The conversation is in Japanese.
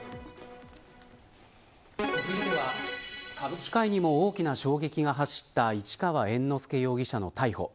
続いては歌舞伎界にも大きな衝撃が走った市川猿之助容疑者の逮捕。